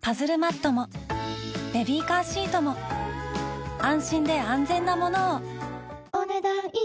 パズルマットもベビーカーシートも安心で安全なものをお、ねだん以上。